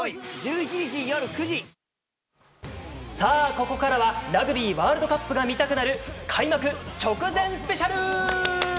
ここからはラグビーワールドカップが見たくなる開幕直前スペシャル！